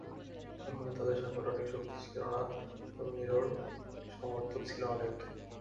তখনো তাদের সাংগঠনিক শক্তি ছিল না, তবে নীরব সমর্থক ছিল অনেক।